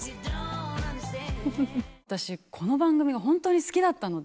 私この番組がホントに好きだったので。